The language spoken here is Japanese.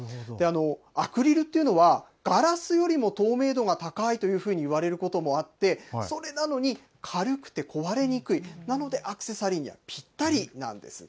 アクリルっていうのは、ガラスよりも透明度が高いというふうにいわれることもあって、それなのに、軽くて壊れにくい、なので、アクセサリーにはぴったりなんですって。